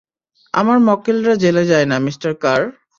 আমার মক্কেলরা জেলে যায় না, মিঃ কার।